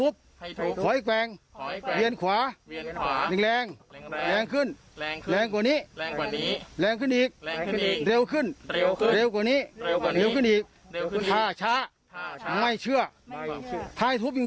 ภาฉร้าไม่เชื่อท่าให้ทุบจริง